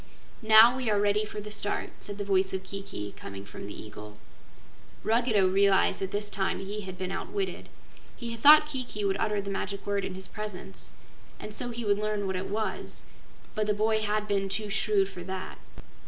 "Now we are ready for the start," said the voice of Kiki, coming from the eagle. Ruggedo realized that this time he had been outwitted. He had thought Kiki would utter the magic word in his presence, and so he would learn what it was, but the boy had been too shrewd for that.